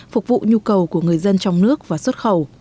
phục vụ nhu cầu của người dân trong nước và xuất khẩu